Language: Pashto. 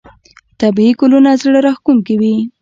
طبیعي ګلونه زړه راښکونکي وي.